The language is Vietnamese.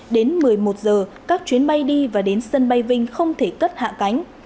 đến một mươi một giờ các chuyến bay đi và đến sân bay vinh không thể cất hạ cánh